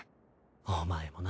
お前もな。